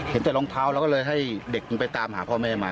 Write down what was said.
แต่รองเท้าเราก็เลยให้เด็กไปตามหาพ่อแม่มา